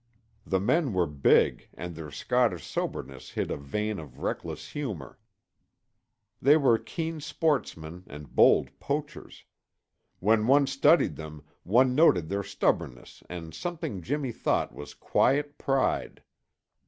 The men were big and their Scottish soberness hid a vein of reckless humor. They were keen sportsmen and bold poachers. When one studied them, one noted their stubbornness and something Jimmy thought was quiet pride.